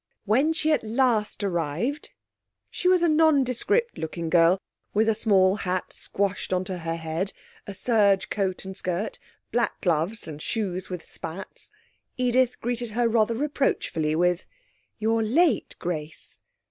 When she at last arrived she was a nondescript looking girl, with a small hat squashed on her head, a serge coat and skirt, black gloves and shoes with spats Edith greeted her rather reproachfully with: 'You're late, Grace.'